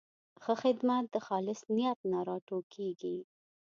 ښه خدمت د خالص نیت نه راټوکېږي.